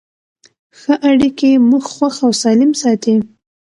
ښه اړیکې موږ خوښ او سالم ساتي.